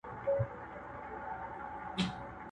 نه مي عقل کارګر سو نه چلونو سوای ژغورلای،